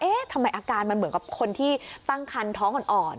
ทำไมอาการมันเหมือนกับคนที่ตั้งคันท้องอ่อน